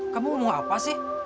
kamu mau apa sih